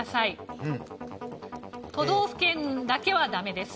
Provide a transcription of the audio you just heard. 都道府県だけはダメです。